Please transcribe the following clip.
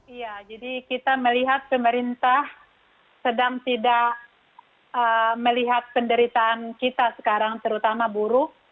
iya jadi kita melihat pemerintah sedang tidak melihat penderitaan kita sekarang terutama buruh